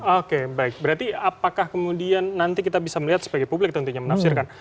oke baik berarti apakah kemudian nanti kita bisa melihat sebagai publik tentunya menafsirkan